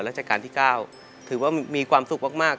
ราชการที่๙ถือว่ามีความสุขมาก